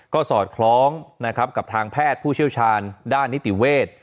ก็สอดคล้องนะครับกับทางแพทย์ผู้เชี่ยวชาญด้านนิติเวทย์